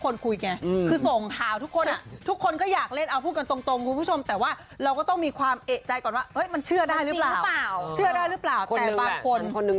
และพอทุกคนคุยไงคือนี่คือส่ง